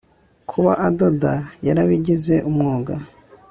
kuba adoda yarabigize umwuga